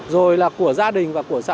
rồi là của gia đình và của xã hội